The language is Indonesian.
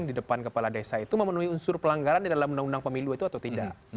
di depan kepala desa itu memenuhi unsur pelanggaran di dalam undang undang pemilu itu atau tidak